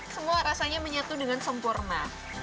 semua rasanya menyatu dengan sempurna